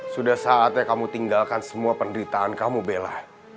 sudah saatnya kamu tinggalkan semua penderitaan kamu bella